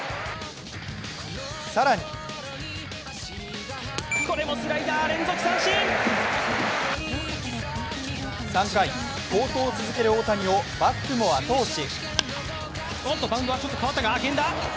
更に３回、好投を続ける大谷をバックも後押し。